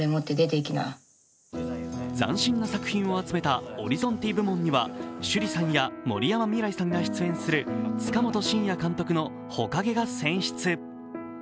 斬新な作品を集めたオリゾンティ部門には趣里さんや森山未來さんが出演する塚本晋也監督の「ほかげ」が選出。